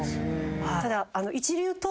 ただ。